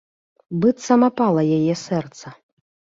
Быццам апала яе сэрца.